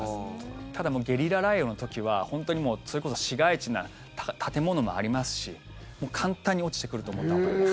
ただ、ゲリラ雷雨の時は本当にもうそれこそ市街地に建物もありますし簡単に落ちてくると思ったほうがいいです。